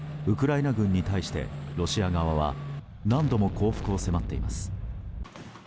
ウクライナ軍に対してロシア側は何度も降伏を迫っています。